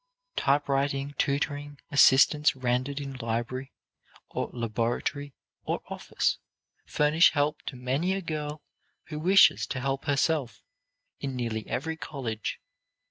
Typewriting, tutoring, assistance rendered in library or laboratory or office, furnish help to many a girl who wishes to help herself, in nearly every college.